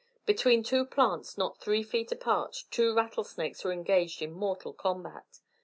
Between two plants not three feet apart two rattlesnakes were engaged in mortal combat.